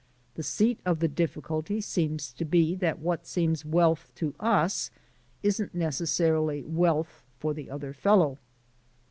The seat of the difficulty seems to be that what seems wealth to us isn't necessarily wealth for the other fellow."